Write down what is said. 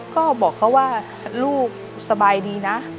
ก็บอกเขาว่าลูกสบายดีนะ